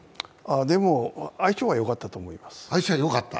でも相性はよかったと思います。